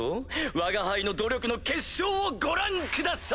わが輩の努力の結晶をご覧ください！